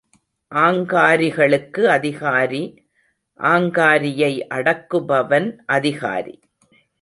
ஆங்காரிகளுக்கு அதிகாரி, ஆங்காரியை அடக்குபவன் அதிகாரி.